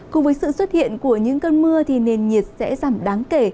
cùng với sự xuất hiện của những cơn mưa thì nền nhiệt sẽ giảm đáng kể